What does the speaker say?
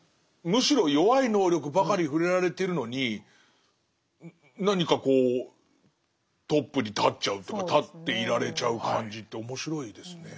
むしろ弱い能力ばかり触れられてるのに何かこうトップに立っちゃうというか立っていられちゃう感じって面白いですね。